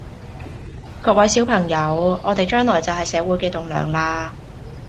各位小朋友，我哋將來就係社會嘅棟樑啦